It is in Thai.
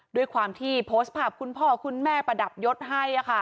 ด้วยความที่โพสต์ภาพคุณพ่อคุณแม่ประดับยศให้